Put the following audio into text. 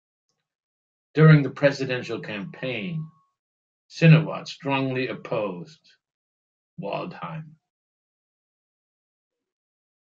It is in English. During the presidential campaign, Sinowatz strongly opposed Waldheim.